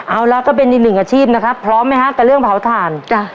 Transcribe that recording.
เอาล่ะก็เป็นอีกหนึ่งอาชีพนะครับพร้อมไหมฮะกับเรื่องเผาถ่านจ้ะ